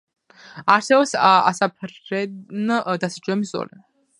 არსებობს ასაფრენ-დასაჯდომი ზოლი.